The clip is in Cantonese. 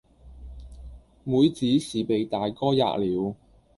妹子是被大哥喫了，